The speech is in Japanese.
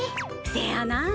せやな。